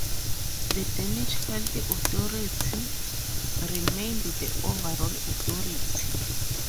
The Danish Health Authority remained the overall authority.